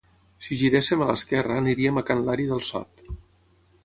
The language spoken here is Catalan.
Si giréssim a l'esquerra aniríem a can Lari del Sot